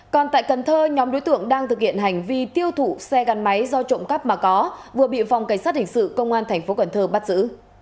còn tại cần thơ nhóm đối tượng đang thực hiện hành vi tiêu thụ xe gắn máy do trộm cắp mà có vừa bị phòng cảnh sát hình sự công an tp cần thơ bắt giữ